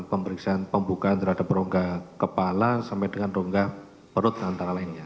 pemeriksaan pembukaan terhadap rongga kepala sampai dengan rongga perut antara lainnya